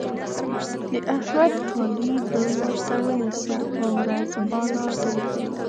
د احمد کالي لوی ورته ونيسه؛ ورځ بالا دی.